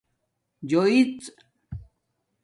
جیوژ